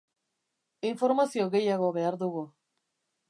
Informazio gehiago behar dugu.